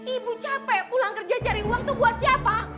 ibu capek pulang kerja cari uang tuh buat siapa